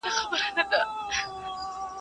توره هغه ده چي په لاس درغله.